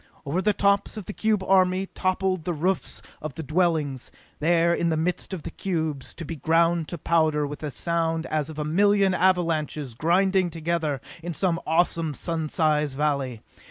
Over the tops of the cube army toppled the roofs of the dwellings, there, in the midst of the cubes, to be ground to powder, with a sound as of a million avalanches grinding together in some awesome, sun size valley.